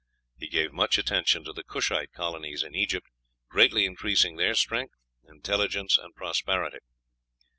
He gave much attention to the Cushite colonies in Egypt, greatly increasing their strength, intelligence, and prosperity."